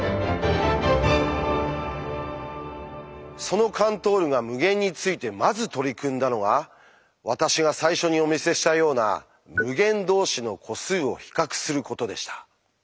そのカントールが無限についてまず取り組んだのが私が最初にお見せしたような「無限同士の個数を比較する」ことでした。